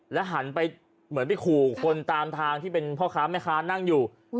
หันไปเหมือนไปขู่คนตามทางที่เป็นพ่อค้าแม่ค้านั่งอยู่